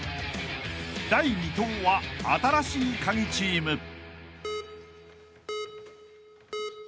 ［第２投は新しいカギチーム］